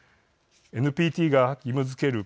ＮＰＴが義務づける